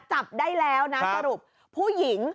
จับได้แล้วนะสรุปผู้หญิง